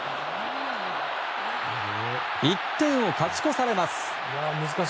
１点を勝ち越されます。